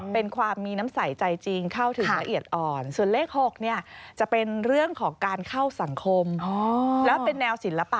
เป็นความมีน้ำใสใจจริงเข้าถึงละเอียดอ่อนส่วนเลข๖เนี่ยจะเป็นเรื่องของการเข้าสังคมแล้วเป็นแนวศิลปะ